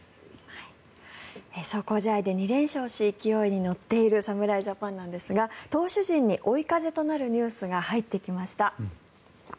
壮行試合で２連勝し勢いに乗っている侍ジャパンなんですが投手陣に追い風となるニュースが入ってきました。